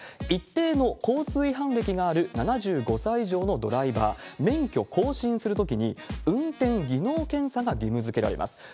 一定の交通違反歴がある７５歳以上のドライバー、免許更新するときに、運転技能検査が義務づけられます。